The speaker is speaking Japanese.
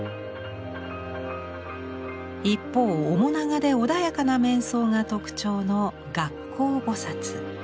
一方面長で穏やかな面相が特徴の月光菩。